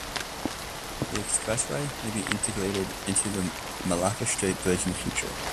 The expressway may be integrated into the Malacca Strait Bridge in the future.